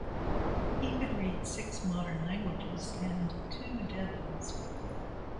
He could read six modern languages and two dead ones.